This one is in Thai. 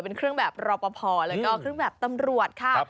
เป็นเครื่องแบบรอปภแล้วก็เครื่องแบบตำรวจค่ะ